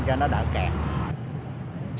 cho nó đỡ kẹt